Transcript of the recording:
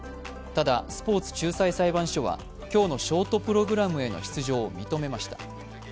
ただ、スポーツ仲裁裁判所と今日のショートプログラムへの出場を認めました。